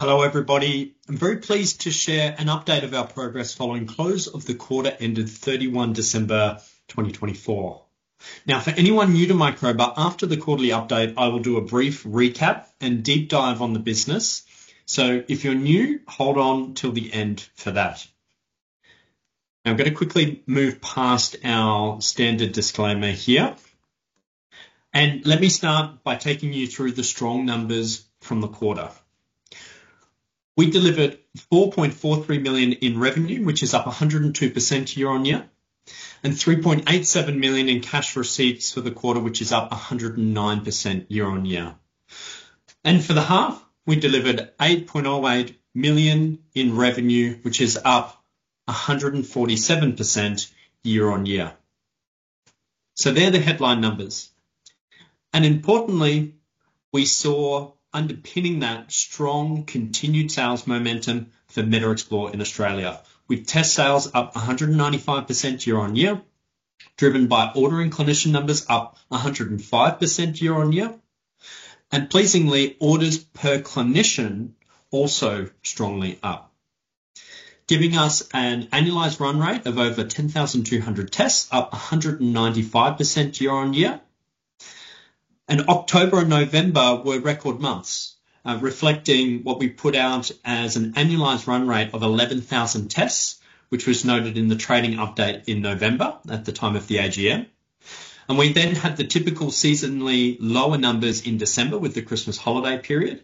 Hello everybody. I'm very pleased to share an update of our progress following close of the quarter ended 31st December 2024. Now for anyone new to Microba, after the quarterly update I will do a brief recap and deep dive on the business. So if you're new, hold on till the end for that. I'm going to quickly move past our standard disclaimer here and let me start by taking you through the strong numbers from the quarter. We delivered 4.43 million in revenue which is up 102% year on year, and 3.87 million in cash receipts for the quarter which is up 109% year on year. And for the half we delivered 8.08 million in revenue which is up 147% year on year. They're the headline numbers, and importantly we saw underpinning that strong continued sales momentum for MetaXplore in Australia with test sales up 195% year on year, driven by ordering clinician numbers up 105% year on year and pleasingly orders per clinician also strongly up, giving us an annualized run rate of over 10,200 tests up 195% year on year. October and November were record months, reflecting what we put out as an annualized run rate of 11,000 tests, which was noted in the trading update in November at the time of the AGM. We then had the typical seasonally lower numbers in December with the Christmas holiday period.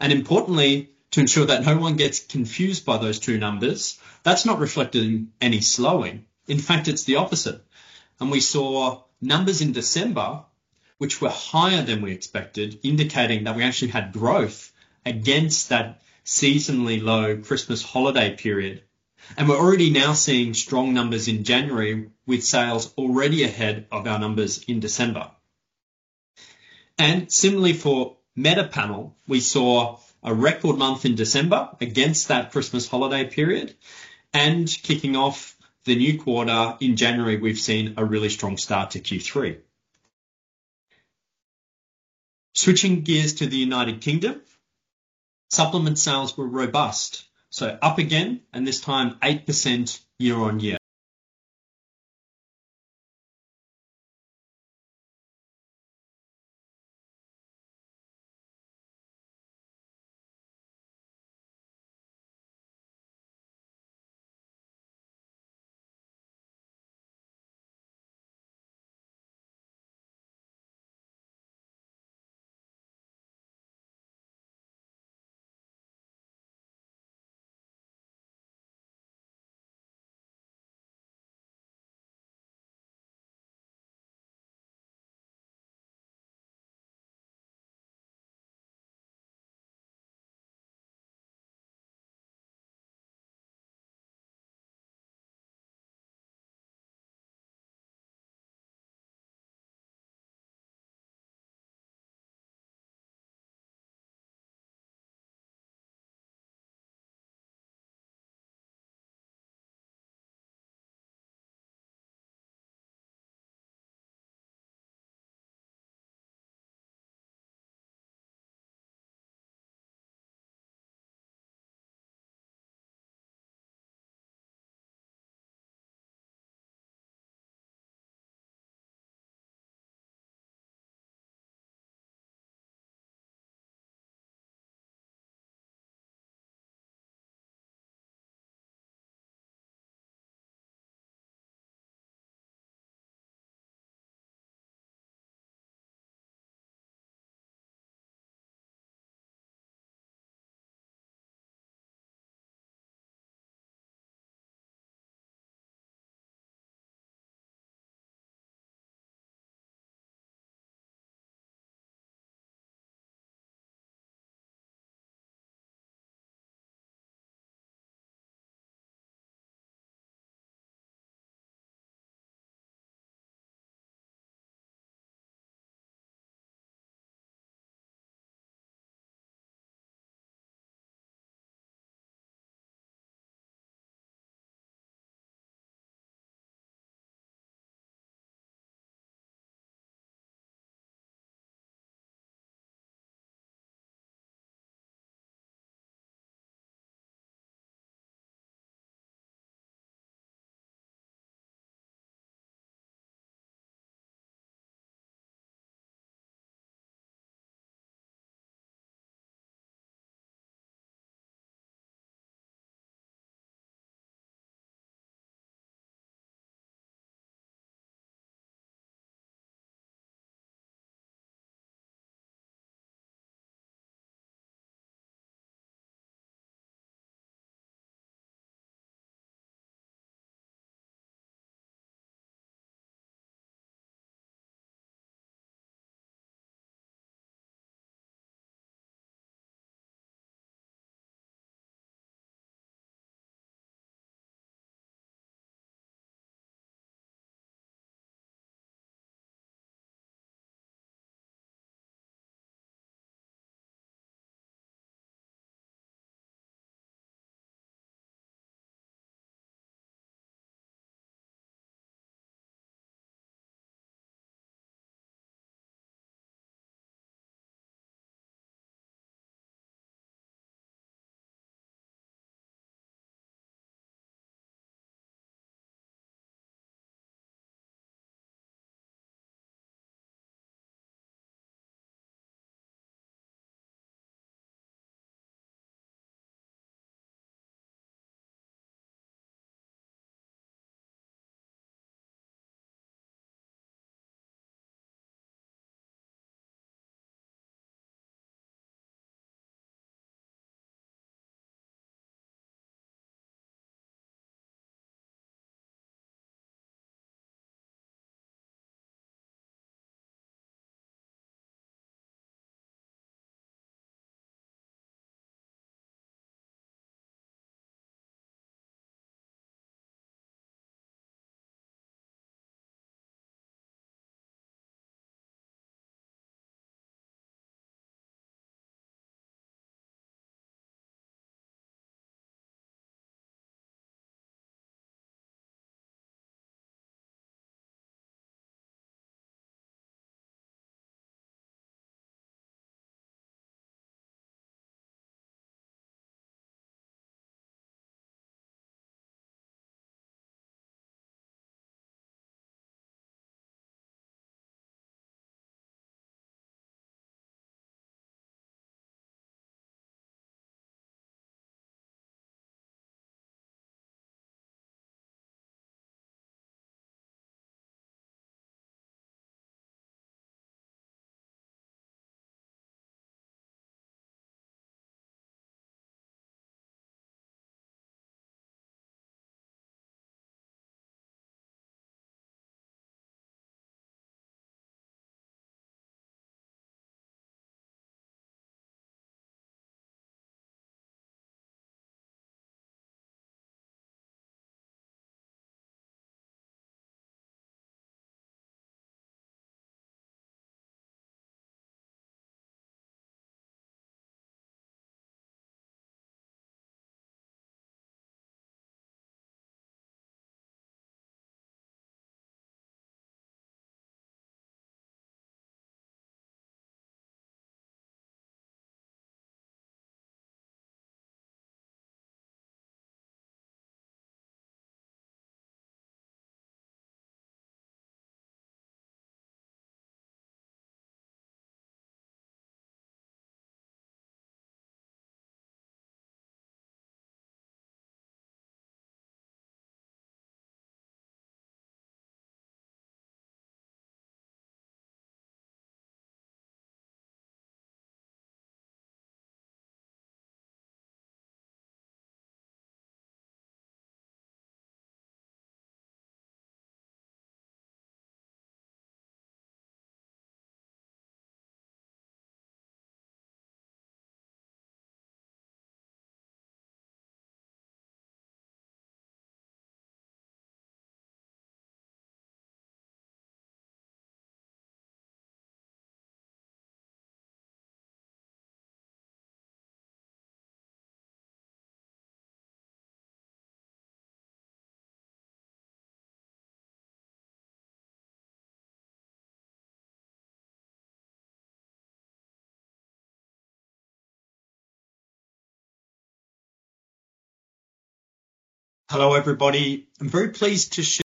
Importantly, to ensure that no one gets confused by those two numbers, that's not reflected in any slowing. In fact it's the opposite and we saw numbers in December which were higher than we expected, indicating that we actually had growth against that seasonally low Christmas holiday period. We're already now seeing strong numbers in January with sales already ahead of our numbers in December. Similarly for MetaPanel, we saw a record month in December against that Christmas holiday period and kicking off the new quarter in January, we've seen a really strong start to Q3. Switching gears to the United Kingdom, supplement sales were robust so up again and this time 8% year on year. Hello everybody, I'm very pleased to share.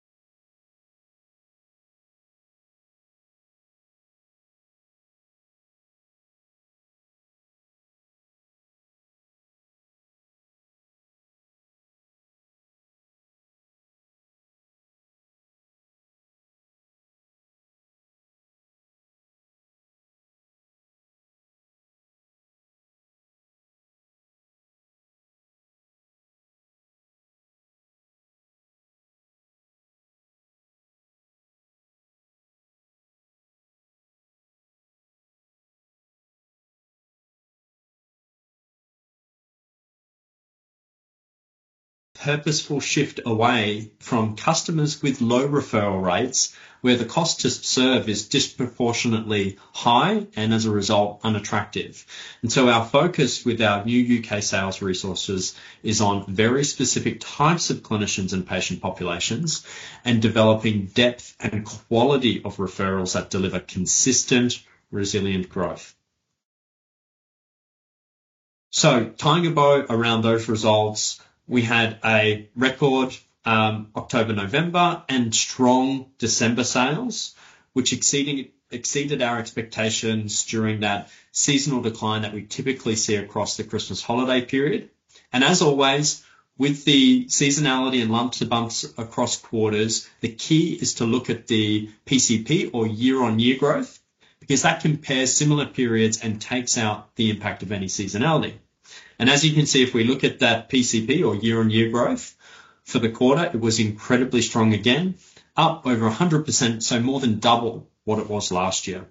Purposeful shift away from customers with low referral rates where the cost to serve is disproportionately high and as a result unattractive. Our focus with our new UK sales resources is on very specific types of clinicians and patient populations and developing depth and quality of referrals that deliver consistent resilient growth. So tying a bow around those results. We had a record October, November and strong December sales which exceeded our expectations during that seasonal decline that we typically see across the Christmas holiday period. As always with the seasonality and lumps and bumps across quarters, the key is to look at the PCP or year on year growth because that compares similar periods and takes out the impact of any seasonality. As you can see, if we look at that PCP or year on year growth for the quarter it was incredibly strong again up over 100%, so more than double what it was last year.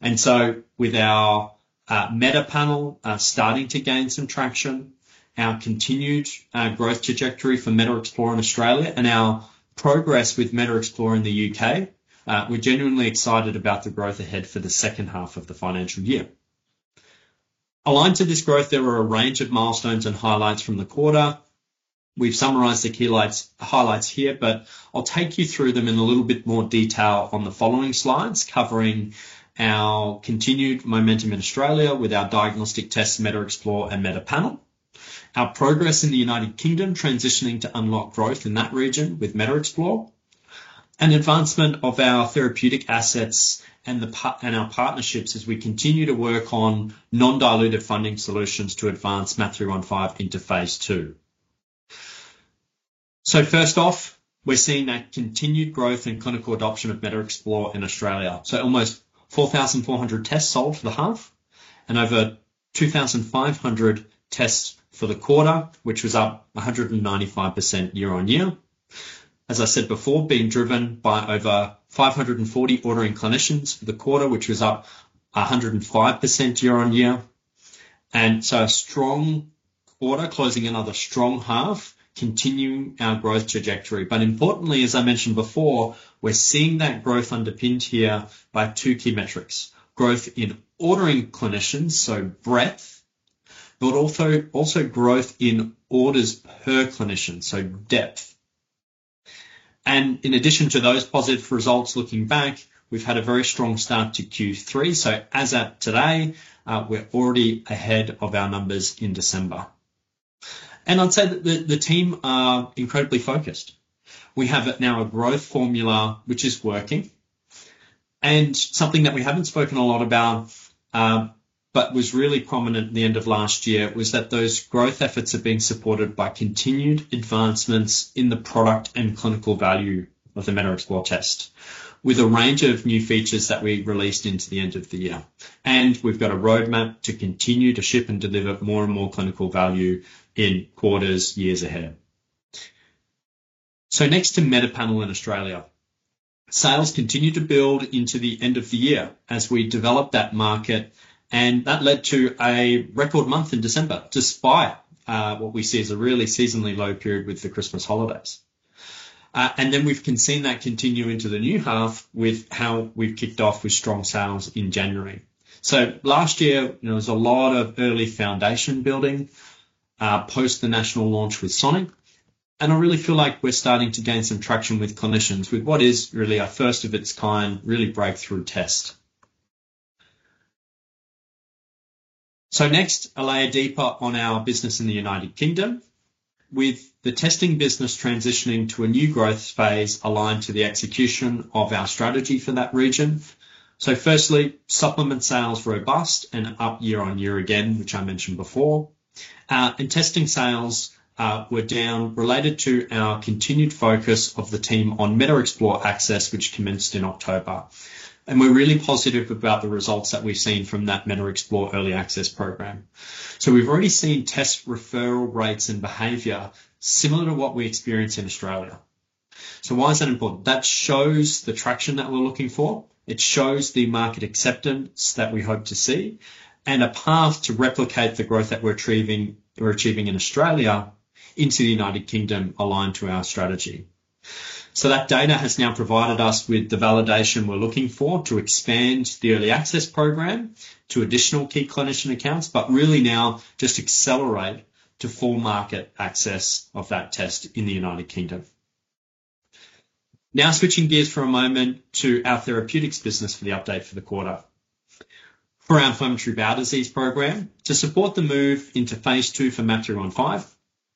And so with our MetaPanel starting to gain some traction, our continued growth trajectory for MetaXplore in Australia and our progress with MetaXplore in the UK, we're genuinely excited about the growth ahead for the second half of the financial year. Aligned to this growth, there are a range of milestones and highlights from the quarter. We've summarized the key highlights here, but I'll take you through them in a little bit more detail on the following slides covering our continued momentum in Australia with our diagnostic tests, MetaXplore and MetaPanel, our progress in the United Kingdom, transitioning to unlock growth in that region with MetaXplore and advancement of our therapeutic assets and our partnerships as we continue to work on non-dilutive funding solutions to advance MAP315 into phase 2. So first off, we're seeing that continued growth in clinical adoption of MetaXplore in Australia. So almost 4,400 tests sold for the half and over 2,500 tests for the quarter which was up 195% year on year. As I said before, being driven by over 540 ordering clinicians for the quarter which was up 105% year on year. And so a strong quarter closing another strong half, continuing our growth trajectory. But importantly, as I mentioned before, we're seeing that growth underpinned here by two key metrics, growth in ordering clinicians, so breadth, but also growth in orders per clinician, so depth. And in addition to those positive results, looking back, we've had a very strong start to Q3. So as at today, we're already ahead of our numbers in December and I'd say that the team are incredibly focused. We have now a growth formula which is working, and something that we haven't spoken a lot about but was really prominent at the end of last year was that those growth efforts have been supported by continued advancements in the product and clinical value of the MetaXplore test with a range of new features that we released into the end of the year, and we've got a roadmap to continue to ship and deliver more and more clinical value in quarters years ahead. So next to MetaPanel in Australia, sales continue to build into the end of the year as we develop that market, and that led to a record month in December despite what we see as a really seasonally low period with the Christmas holidays. And then we've seen that continue into the new half with how we've kicked off with strong sales in January. So last year there was a lot of early foundation building post the national launch with Sonic and I really feel like we're starting to gain some traction with clinicians with what is really our first of its kind, really breakthrough test. So next a layer deeper on our business in the United Kingdom with the testing business transitioning to a new growth phase aligned to the execution of our strategy for that region. So firstly supplement sales robust and up year on year again which I mentioned before and testing sales were down related to our continued focus of the team on MetaXplore Access, which commenced in October. And we're really positive about the results that we've seen from that MetaXplore early access program. So we've already seen test referral rates and behavior similar to what we experience in Australia. So why is that important? That shows the traction that we're looking for. It shows the market acceptance that we hope to see and a path to replicate the growth that we're achieving in Australia into the United Kingdom aligned to our strategy. So that data has now provided us with the validation we're looking for to expand the early access program to additional key clinician accounts. But really now just accelerate to full market access of that test in the United Kingdom. Now switching gears for a moment to our therapeutics business for the update for the quarter for our inflammatory bowel disease program to support the move into phase two for MAP315,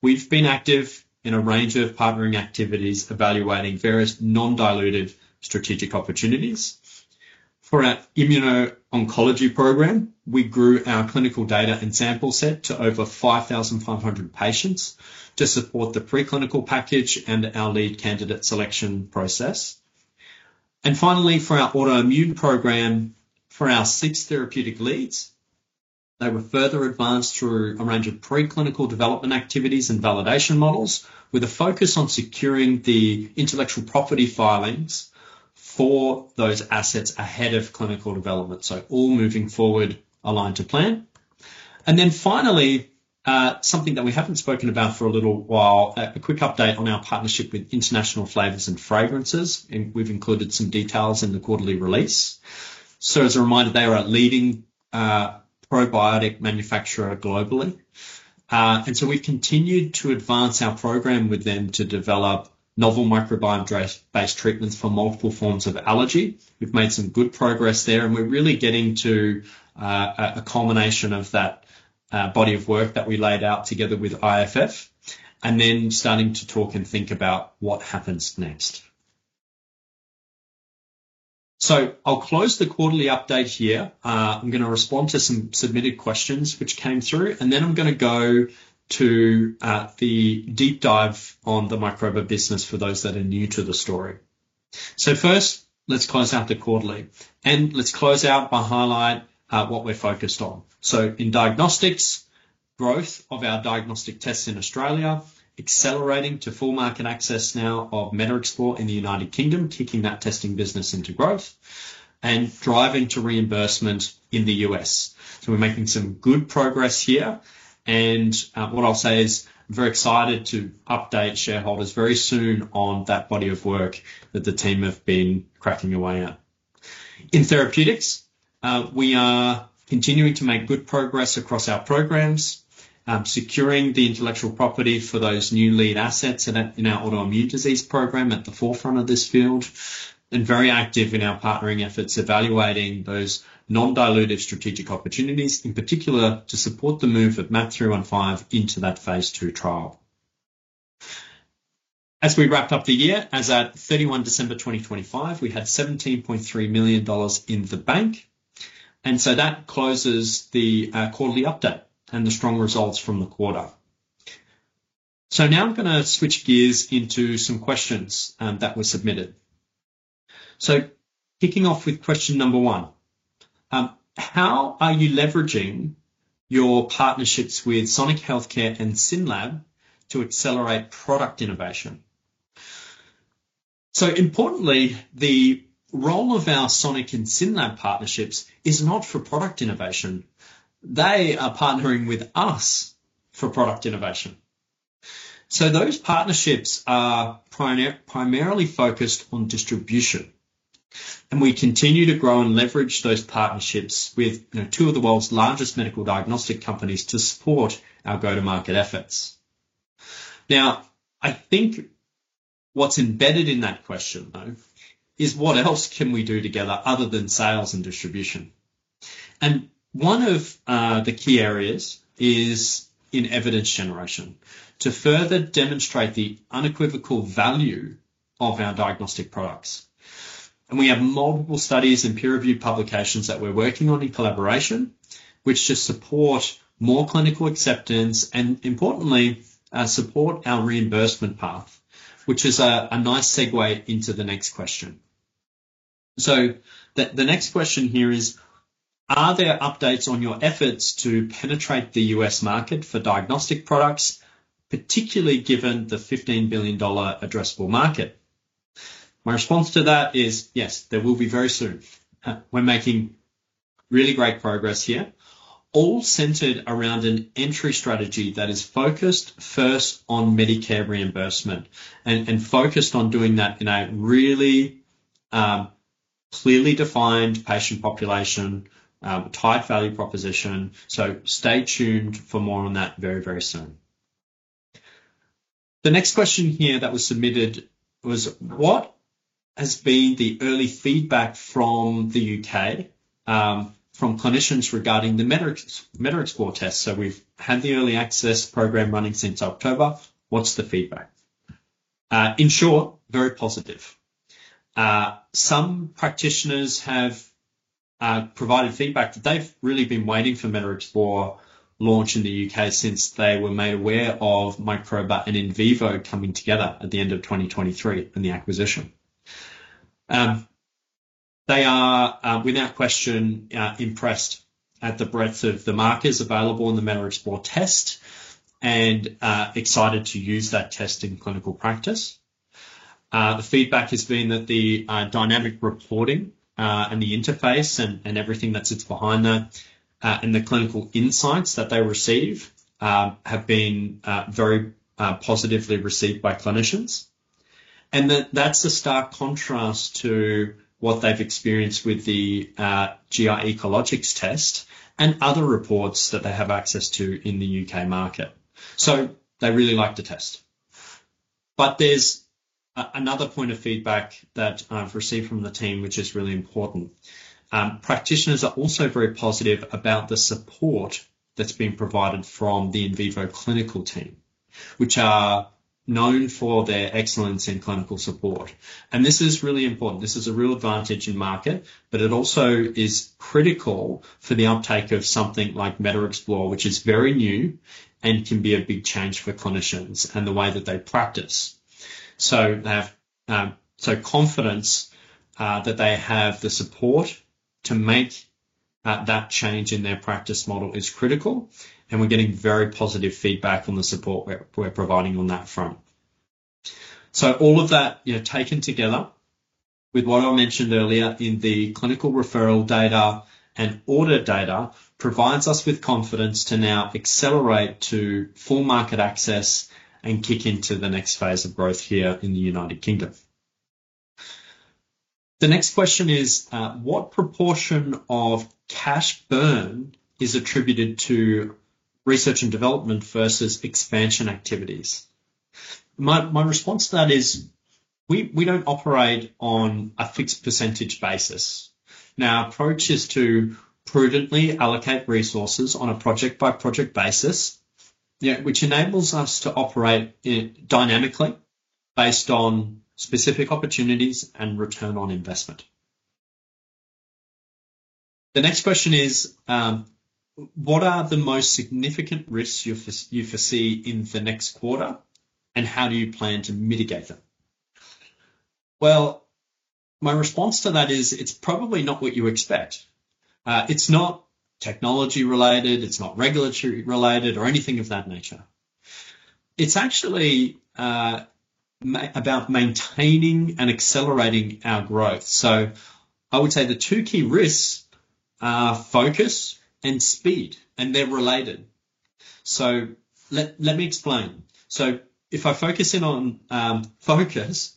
we've been active in a range of partnering activities evaluating various non-dilutive strategic opportunities for our immuno-oncology program. We grew our clinical data and sample set to over 5,500 patients to support the preclinical package and our lead candidate selection process. And finally for our autoimmune program for our six therapeutic leads. They were further advanced through a range of preclinical development activities and validation models with a focus on securing the intellectual property filings for those assets ahead of clinical development. So all moving forward aligned to plan. And then finally something that we haven't spoken about for a little while, a quick update on our partnership with International Flavors and Fragrances and we've included some details in the quarterly release. So as a reminder, they are a leading probiotic manufacturer globally and so we've continued to advance our program with them to develop novel microbiome-based treatments for multiple forms of allergy. We've made some good progress there and we're really getting to a culmination of that body of work that we laid out together with IFF and then starting to talk and think about what happens next. So I'll close the quarterly update here. I'm going to respond to some submitted questions which came through and then I'm going to go to the deep dive on the Microba business for those that are new to the story. So first let's close out the quarterly and let's close out by highlighting what we're focused on. So in diagnostics. Growth of our diagnostic tests in Australia, accelerating to full market access now of MetaXplore in the United Kingdom, kicking that testing business into growth and driving to reimbursement in the U.S. We're making some good progress here, and what I'll say is very excited to update shareholders very soon on that body of work that the team have been great cracking away at our therapeutics. We are continuing to make good progress across our programs, securing the intellectual property for those new lead assets in our autoimmune disease program at the forefront of this field and very active in our partnering efforts evaluating those non-dilutive strategic opportunities in particular to support the move of MAP315 into that phase 2 trial. As we wrapped up the year as at 31 December 2025, we had 17.3 million dollars in the bank. And so that closes the quarterly update and the strong results from the quarter. So now I'm going to switch gears into some questions that were submitted. So kicking off with question number one, how are you leveraging your partnerships with Sonic Healthcare and SYNLAB to accelerate product innovation? So importantly, the role of our Sonic and SYNLAB partnerships is not for product innovation, they are partnering with us for product innovation. So those partnerships are primarily focused on distribution and we continue to grow and leverage those partnerships with two of the world's largest medical diagnostic companies to support our go to market efforts. Now I think what's embedded in that question though is what else can we do together other than sales and distribution? And one of the key areas is in evidence generation to further demonstrate the unequivocal value of our diagnostic products. And we have multiple studies and peer reviewed publications that we're working on in collaboration which just support more clinical acceptance and importantly support our reimbursement path, which is a nice segue into the next question. So the next question here is, are there updates on your efforts to penetrate the U.S. market for diagnostic products, particularly given the $15 billion addressable market? My response to that is, yes, there will be very soon. We're making really great progress here, all centered around an entry strategy that is focused first on Medicare reimbursement and focused on doing that in a really clearly defined patient population, tight value proposition. So stay tuned for more on that very, very soon. The next question here that was submitted was what has been the early feedback from the U.K. from clinicians regarding the MetaXplore test? So we've had the early access program running since October. What's the feedback, in short? Very positive. Some practitioners have provided feedback that they've really been waiting for MetaXplore launch in the U.K. since they were made aware of Microba and Invivo coming together at the end of 2023 and the acquisition. They are without question impressed at the breadth of the markers available in the MetaXplore test and excited to use that test in clinical practice. The feedback has been that the dynamic reporting and the interface and everything that sits behind that and the clinical insights that they receive have been very positively received by clinicians and that's a stark contrast to what they've experienced with the GI Ecologics test and other reports that they have access to in the U.K. market. So they really like the test. There's another point of feedback that I've received from the team which is really important. Practitioners are also very positive about the support, support that's been provided from the Invivo Clinical team, which are known for their excellence in clinical support. This is really important. This is a real advantage in market, but it also is critical for the uptake of something like MetaXplore, which is very new and can be a big change for clinicians and the way that they practice. Having confidence that they have the support to make that change in their practice model is critical and we're getting very positive feedback on the support we're providing on that front. So all of that, taken together with what I mentioned earlier in the clinical referral data and audit data, provides us with confidence to now accelerate to full market access and kick into the next phase of growth here in the United Kingdom. The next question is what proportion of cash burn is attributed to research and development versus expansion activities? My response to that is we don't operate on a fixed percentage basis. Now our approach is to prudently allocate resources on a project by project basis, which enables us to operate dynamically based on specific opportunities and return on investment. The next question is, what are the most significant risks you foresee in the next quarter and how do you plan to mitigate them? Well, my response to that is it's probably not what you expect. It's not technology related, it's not regulatory related or anything of that nature. It's actually about maintaining and accelerating our growth. So I would say the two key risks are focus and speed, and they're related. So let me explain. So if I focus in on focus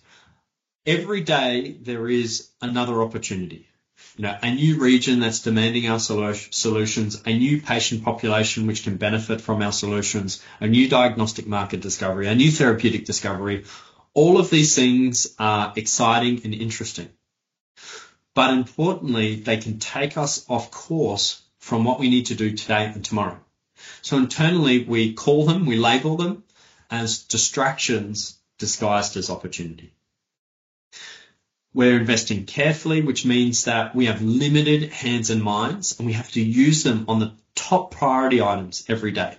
every day there is another opportunity. A new region that's demanding our solutions. A new patient population which can benefit from our solutions. A new diagnostic market discovery, a new therapeutic discovery. All of these things are exciting and interesting, but importantly, they can take us off course from what we need to do today and tomorrow. So internally we call them, we label them as distractions disguised as opportunity. We're investing carefully, which means that we have limited hands and minds and we have to use them on the top priority items every day.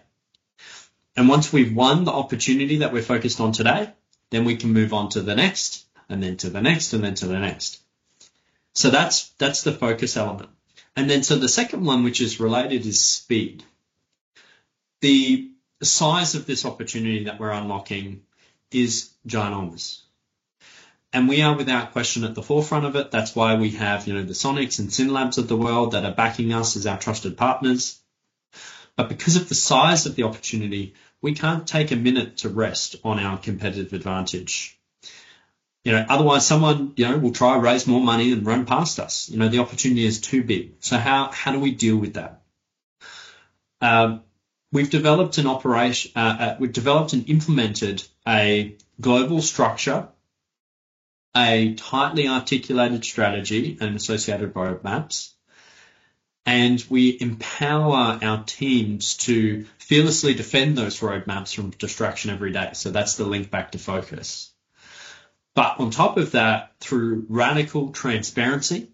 And once we've won the opportunity that we're focused on today, then we can move on to the next and then to the next and then to the next. So that's the focus element and then so the second one which is related is speed. The size of this opportunity that we're unlocking is ginormous and we are without question at the forefront of it. That's why we have the Sonics and SYNLABs of the world that are backing us as our trusted partners. But because of the size of the opportunity, we can't take a minute to rest on our competitive advantage. You know, otherwise someone will try to raise more money and run past us. You know, the opportunity is too big. So how do we deal with that? We've developed an operation, we've developed and implemented a global structure, a tightly articulated strategy and associated roadmaps. And we empower our teams to fearlessly defend those roadmaps from distraction every day. So that's the link back to focus. But on top of that, through radical transparency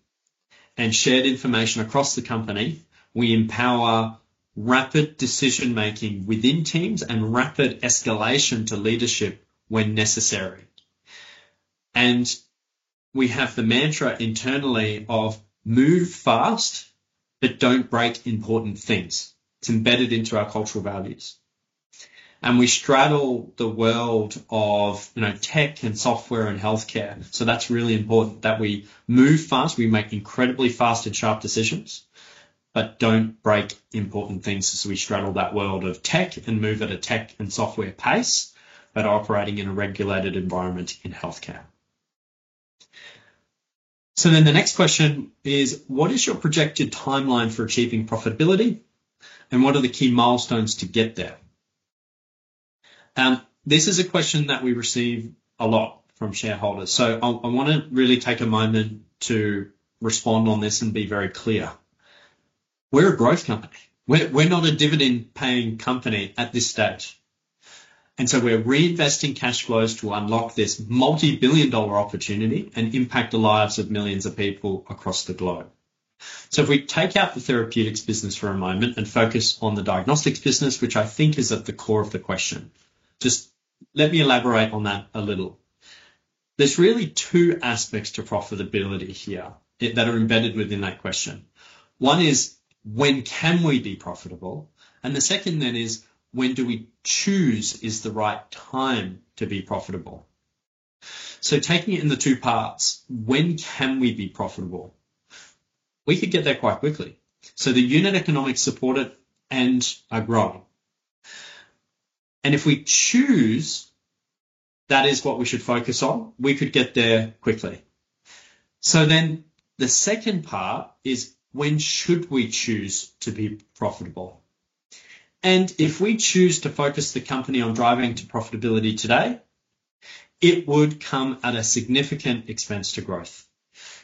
and shared information across the company, we empower rapid decision making within teams and rapid escalation to leadership when necessary. And we have the mantra internally of move fast, but don't break important things. It's embedded into our cultural values and we straddle the world of tech and software and healthcare. That's really important that we move fast. We make incredibly fast and sharp decisions, but don't break important things. So we straddle that world of tech and move at a tech and software pace, but operating in a regulated environment in healthcare. So then the next question is, what is your projected timeline for achieving profitability and what are the key milestones to get there? This is a question that we receive a lot from shareholders. So I want to really take a moment to respond on this and be very clear. We're a growth company, we're not a dividend paying company at this stage. And so we're reinvesting cash flows to unlock this multi-billion-dollar opportunity and impact the lives of millions of people across the globe. So if we take out the therapeutics business for a moment and focus on the diagnostics business, which I think is at the core of the question, just let me elaborate on that a little. There's really two aspects to profitability here that are embedded within that question. One is when can we be profitable? And the second then is when do we choose is the right time to be profitable? So taking it in the two parts, when can we be profitable? We could get there quite quickly. So the unit economics support it and are growing. And if we choose that is what we should focus on, we could get there quickly. So then the second part is when should we choose to be profitable? And if we choose to focus the company on driving to profitability today, it would come at a significant expense to growth.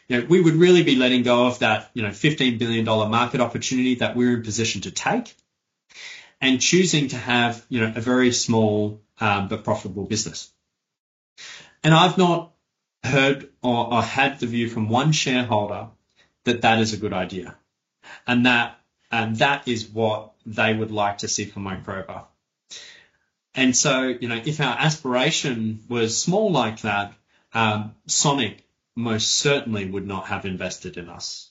We would really be letting go of that $15 billion market opportunity that we're in position to take and choosing to have a very small but profitable business. And I've not heard or had the view from one shareholder that that is a good idea and that that is what they would like to see for Microba. And so, you know, if our aspiration was small like that, Sonic most certainly would not have invested in us.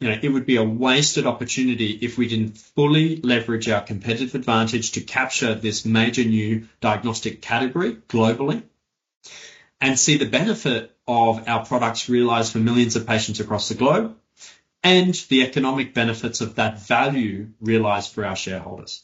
You know, it would be a wasted opportunity if we didn't fully leverage our competitive advantage to capture this major new diagnostic category globally and see the benefit of our products realized for millions of patients across the globe and the economic benefits of that value realized for our shareholders,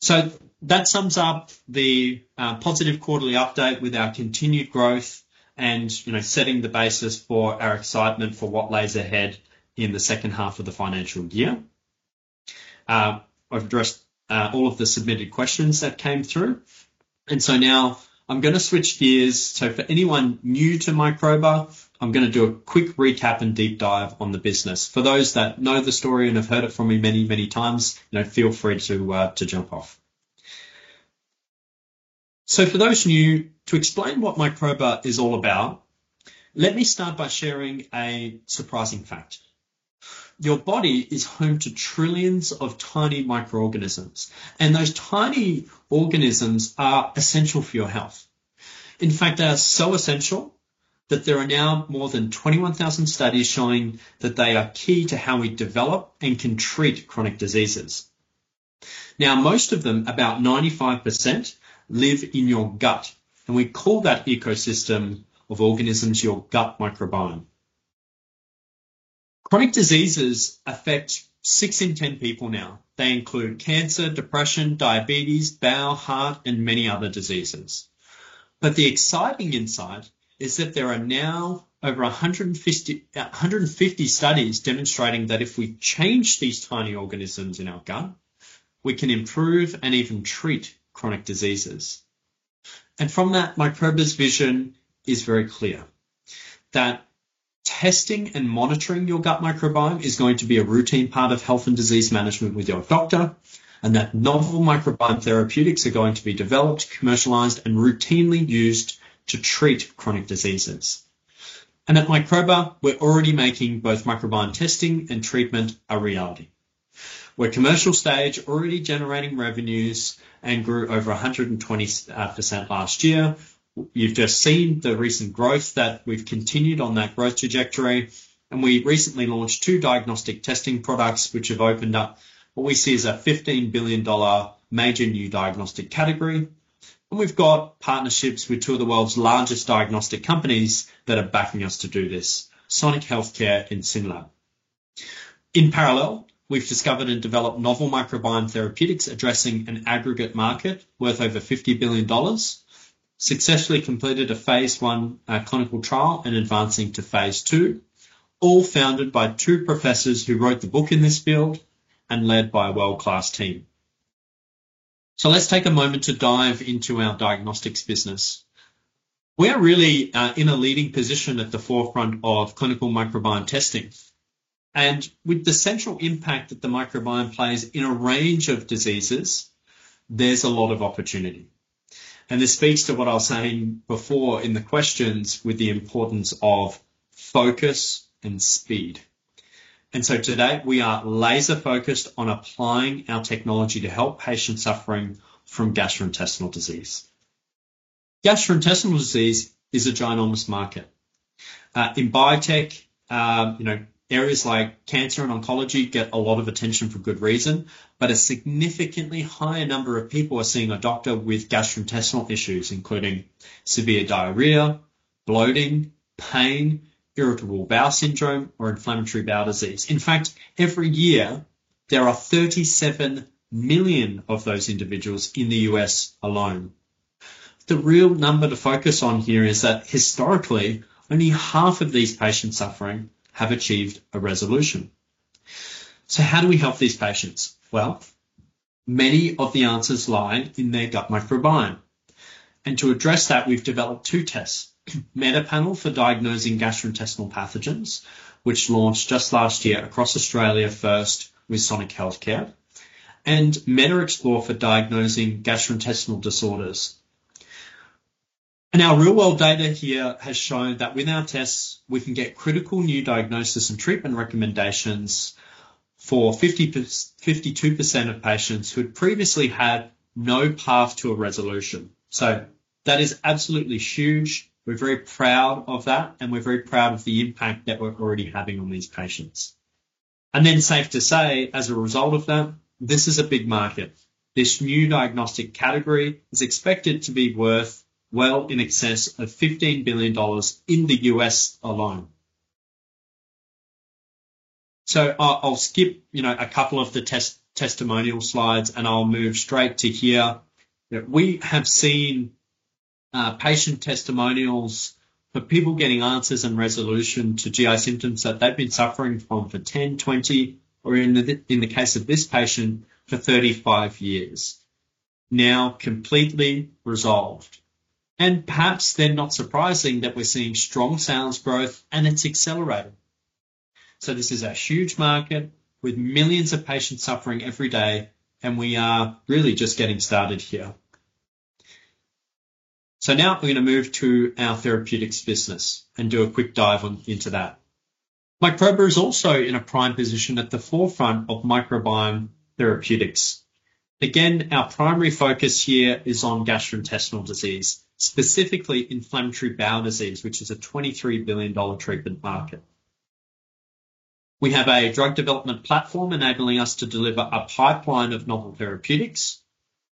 so that sums up the positive quarterly update with our continued growth and, you know, setting the basis for our excitement for what lies ahead in the second half of the financial year. I've addressed all of the submitted questions that came through, and so now I'm going to switch gears, so for anyone new to Microba, I'm going to do a quick recap and deep dive on the business. For those that know the story and have heard it from me many, many times, feel free to jump off so for those new to explain what Microba is all about, let me start by sharing a surprising fact. Your body is home to trillions of tiny microorganisms, and those tiny organisms are essential for your health. In fact, they are so essential that there are now more than 21,000 studies showing that they are key to how we develop and can treat chronic diseases. Now, most of them, about 95% live in your gut and we call that ecosystem of organisms your gut microbiome. Chronic diseases affect 6 in 10 people now. They include cancer, depression, diabetes, bowel, heart, and many other diseases. But the exciting insight is that there are now over 150 studies demonstrating that if we change these tiny organisms in our gut, we can improve and even treat chronic diseases. And from that, Microba's vision is very clear that testing and monitoring your gut microbiome is going to be a routine part of health and disease management with your doctor. And that novel microbiome therapeutics are going to be developed, commercialized and routinely used to treat chronic diseases. And at Microba, we're already making both microbiome testing and treatment a reality where commercial stage already generating revenues and grew over 120% last year. You've just seen the recent growth that we've continued on that growth trajectory. And we recently launched two diagnostic testing products which have opened up what we see is a $15 billion major new diagnostic category. And we've got partnerships with two of the world's largest diagnostic companies that are backing us to do this. Sonic Healthcare and SYNLAB. In parallel, we've discovered and developed novel microbiome therapeutics addressing an aggregate market worth over $50 billion. Successfully completed a phase one clinical trial and advancing to phase two. All founded by two professors who wrote the book in this field and led by a world class team. So let's take a moment to dive into our diagnostics business. We are really in a leading position at the forefront of clinical microbiome testing. And with the central impact that the microbiome plays in a range of diseases, there's a lot of opportunity. This speaks to what I was saying before in the questions with the importance of focus and speed. Today we are laser focused on applying our technology to help patients suffering from gastrointestinal disease. Gastrointestinal disease is a ginormous market. In biotech, areas like cancer and oncology get a lot of attention for good reason, but a significantly higher number of people are seeing a doctor with gastrointestinal issues, including severe diarrhea, bloating, pain, irritable bowel syndrome or inflammatory bowel disease. In fact, every year there are 37 million of those individuals in the U.S. alone. The real number to focus on here is that historically only half of these patients suffering have achieved a resolution, so how do we help these patients? Well, many of the answers lie in their gut microbiome, and to address that, we've developed two tests, MetaPanel for diagnosing gastrointestinal pathogens, which launched just last year across Australia, first with Sonic Healthcare and MetaXplore for diagnosing gastrointestinal disorders. Our real world data here has shown that with our tests, we can get critical new diagnosis and treatment recommendations for 52% of patients who had previously had no path to a resolution. That is absolutely huge. We're very proud of that and we're very proud of the impact that we're already having on these patients. Safe to say as a result of that, this is a big market. This new diagnostic category is expected to be worth well in excess of $15 billion in the U.S. alone. I'll skip a couple of the testimonial slides and I'll move straight to here. We have seen patient testimonials, but people getting answers and resolution to GI symptoms that they've been suffering from for 10, 20, or in the case of this patient, for 35 years now, completely resolved. Perhaps they're not surprising that we're seeing strong sales growth and it's accelerating. This is a huge market with millions of patients suffering every day and we are really just getting started here. Now we're going to move to our therapeutics business and do a quick dive into that. Microba is also in a prime position at the forefront of microbiome therapeutics. Again, our primary focus here is on gastrointestinal disease, specifically inflammatory bowel disease, which is a $23 billion treatment market. We have a drug development platform enabling us to deliver a pipeline of novel therapeutics.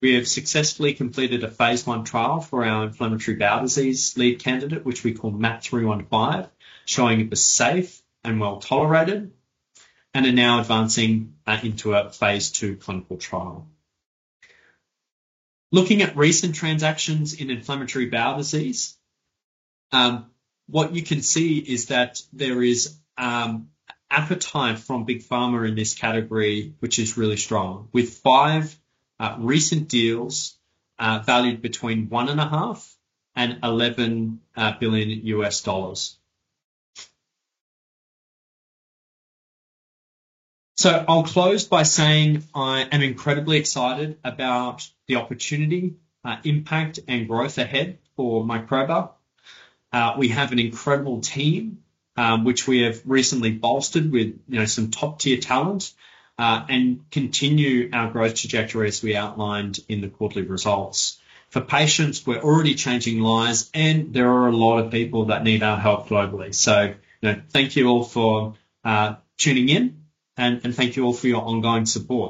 We have successfully completed a phase 1 trial for our inflammatory bowel disease lead candidate, which we call MAP315, showing it was safe and well tolerated and are now advancing into a phase 2 clinical trial looking at recent transactions in inflammatory bowel disease. What you can see is that there is appetite from Big Pharma in this category, which is really strong, with five recent deals valued between $1.5 billion and $11 billion. So I'll close by saying I am incredibly excited about the opportunity, impact and growth ahead for Microba. We have an incredible team which we have recently bolstered with some top-tier talent and continue our growth trajectory as we outlined in the quarterly results for patients. We're already changing lives and there are a lot of people that need our help globally. So thank you all for tuning in and thank you all for your ongoing support.